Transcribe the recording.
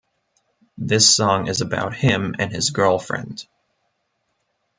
This song is about him and his girlfriend.